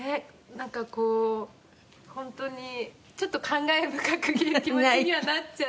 なんかこうホントにちょっと感慨深い気持ちにはなっちゃうんだけど。